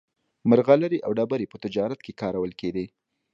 مرغلرې او ډبرې په تجارت کې کارول کېدې.